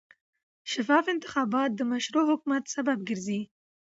شفاف انتخابات د مشروع حکومت سبب ګرځي